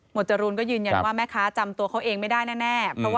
จรูนก็ยืนยันว่าแม่ค้าจำตัวเขาเองไม่ได้แน่